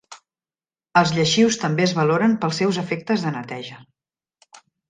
Els lleixius també es valoren pels seus efectes de neteja.